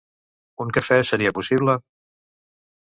Un cafè seria possible?